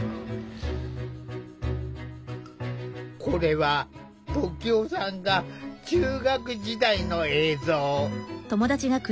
これは時男さんが中学時代の映像。